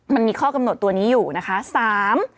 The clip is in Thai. มันมีข้อกำหนดตัวนี้อยู่นะคะ